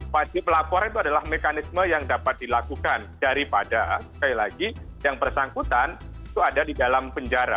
wajib lapor itu adalah mekanisme yang dapat dilakukan daripada sekali lagi yang bersangkutan itu ada di dalam penjara